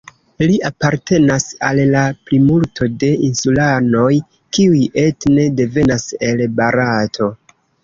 Li apartenas al la plimulto de insulanoj, kiuj etne devenas el Barato.